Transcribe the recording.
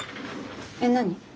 えっ何？